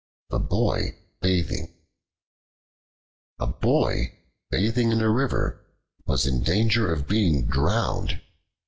The Boy Bathing A BOY bathing in a river was in danger of being drowned.